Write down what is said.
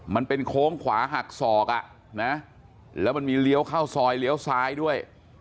มันเป็นโค้งขวาหักศอกอ่ะนะแล้วมันมีเลี้ยวเข้าซอยเลี้ยวซ้ายด้วย